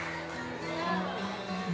aku akan tunjukkan bahwa aku pasti bisa